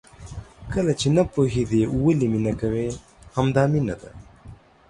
کله چې نه پوهېدې ولې مینه کوې؟ همدا مینه ده.